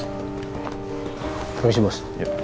terima kasih bos